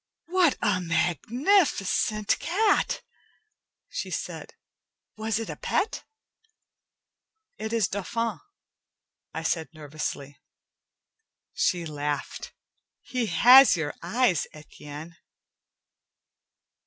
"What a magnificent cat!" she said. "Was it a pet?" "It is Dauphin," I said nervously. She laughed. "He has your eyes, Etienne."